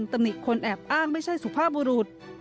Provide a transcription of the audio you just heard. ตำหนิคนแอบอ้างไม่ใช่สุภาพบุรุษ